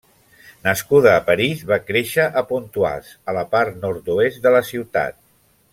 Nascuda a París, va créixer a Pontoise a la part nord-oest de la ciutat.